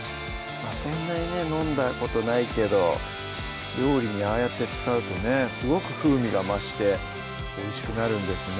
そんなにね飲んだことないけど料理にああやって使うとねすごく風味が増しておいしくなるんですね